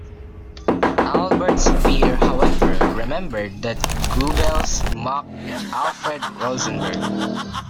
Albert Speer however remembered that Goebbels mocked Alfred Rosenberg.